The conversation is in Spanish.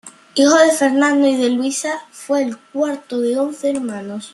Hijo de Fernando y de Luisa fue el cuarto de once hermanos.